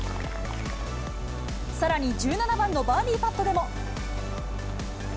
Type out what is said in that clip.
さらに１７番のバーディーパットでも。